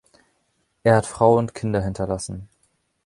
Er hat Frau und Kinder hinterlassen.